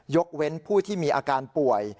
เว้นผู้ที่มีอาการป่วย